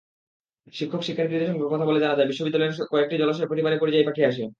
শিক্ষক-শিক্ষার্থীদের সঙ্গে কথা বলে জানা যায়, বিশ্ববিদ্যালয়ের কয়েকটি জলাশয়ে প্রতিবারই পরিযায়ী পাখি আসে।